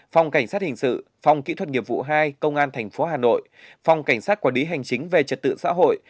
phòng cảnh sát hình sự phòng kỹ thuật nghiệp vụ hai công an tp hà nội phòng cảnh sát quản lý hành chính về trật tự xã hội